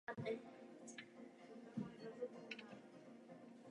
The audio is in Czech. Tato směrnice představuje určité zlepšení, ale to je jen začátek.